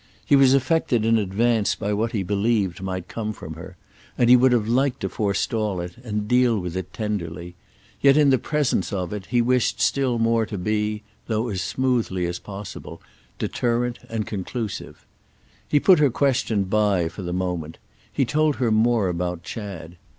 He was affected in advance by what he believed might come from her, and he would have liked to forestall it and deal with it tenderly; yet in the presence of it he wished still more to be—though as smoothly as possible—deterrent and conclusive. He put her question by for the moment; he told her more about Chad.